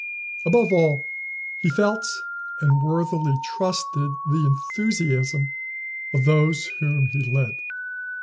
Above all, he felt and worthily trusted the enthusiasm of those whom he led.